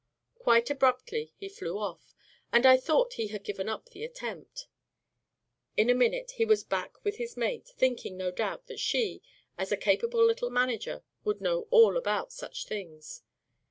Quite abruptly he flew off, and I thought he had given up the attempt. In a minute he was back with his mate, thinking, no doubt, that she, as a capable little manager, would know all about such things.